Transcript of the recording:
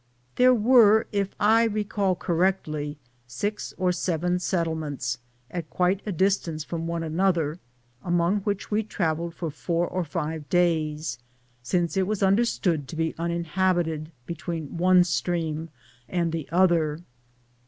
There were, if J recall correctly, 234 an, Google THE JOURNEY OP CORONADO six or seven settlements, at quite a distance from one another, among which we traveled for four or five days, since it was understood to be uninhabited between one stream and the other.